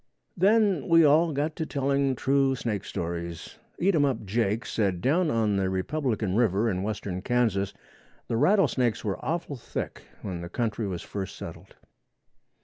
Then we all got to telling true snake stories. Eatumup Jake said down on the Republican River in western Kansas the rattle snakes were awful thick when the country was first settled.